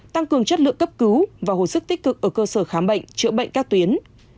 tăng cường chất lượng cấp cứu và hồi sức tích cực ở cơ sở khám bệnh chữa bệnh các tuyến